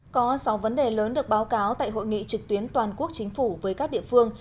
có sáu vấn đề lớn được báo cáo tại hội nghị trực tuyến toàn quốc chính phủ với các địa phương